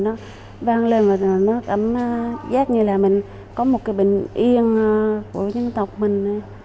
nó vang lên và nó ấm giác như là mình có một cái bình yên của dân tộc mình